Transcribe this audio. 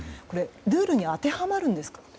ルールに当てはまるんですか？